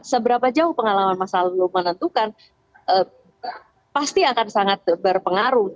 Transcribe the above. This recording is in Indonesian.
seberapa jauh pengalaman masa lalu menentukan pasti akan sangat berpengaruh